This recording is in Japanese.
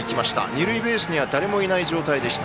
二塁ベースには誰もいない状態でした。